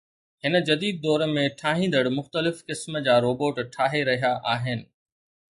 هن جديد دور ۾، ٺاهيندڙ مختلف قسم جا روبوٽ ٺاهي رهيا آهن